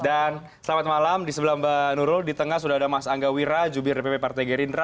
dan selamat malam di sebelah mbak nurul di tengah sudah ada mas angga wira jubir pp partai gerindra